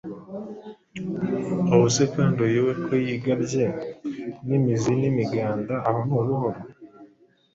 Aho se kandi uyu we ko yigabye n’imizi n’imiganda aho ni ubuhoro?